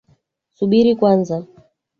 Subiri kwanza